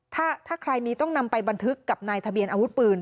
ถ้าใครมีต้องนำไปบันทึกกับนายทะเบียนอาวุธปืน